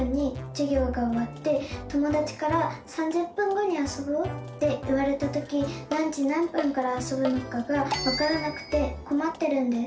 友だちから「３０分後にあそぼう」って言われたとき何時何分からあそぶのかがわからなくてこまってるんです。